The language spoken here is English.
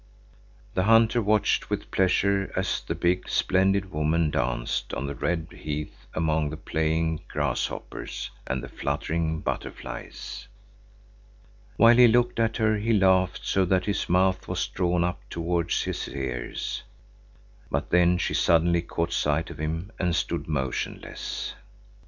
The hunter watched with pleasure as the big, splendid woman danced on the red heath among the playing grasshoppers and the fluttering butterflies. While he looked at her he laughed so that his mouth was drawn up towards his ears. But then she suddenly caught sight of him and stood motionless.